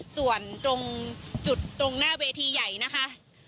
ส่วนตรงจุดตรงหน้าเวทีใหญ่นะคะ